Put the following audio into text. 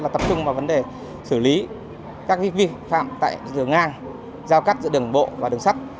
tập trung vào vấn đề xử lý các vi phạm tại đường ngang giao cắt giữa đường bộ và đường sắt